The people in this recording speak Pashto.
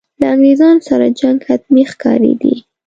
له انګرېزانو سره جنګ حتمي ښکارېدی.